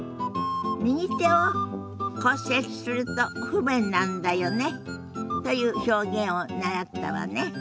「右手を骨折すると不便なんだよね」という表現を習ったわね。